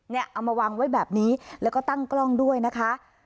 เอามาวางไว้แบบนี้แล้วก็ตั้งกล้องด้วยนะคะ